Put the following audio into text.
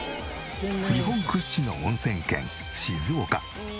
日本屈指の温泉県静岡。